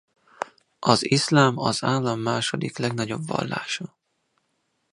Az iszlám az állam második legnagyobb vallása.